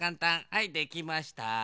はいできました。